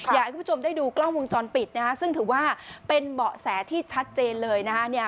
อยากให้คุณผู้ชมได้ดูกล้องวุงจรปิดซึ่งถือว่าเป็นเบาะแสที่ชัดเจนเลย